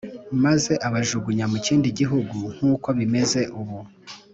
maze abajugunya mu kindi gihugu, nk’uko bimeze ubu.»